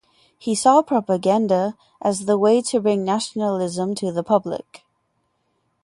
He saw propaganda as the way to bring nationalism to the public.